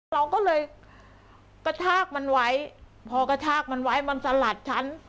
เราก็เลยกระชากมันไว้พอกระชากมันไว้มันสลัดฉัน